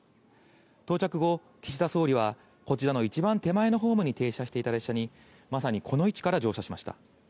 到着後、岸田総理は、こちらの一番手前のホームに停車していた列車に、まさにこの位置から乗車しました。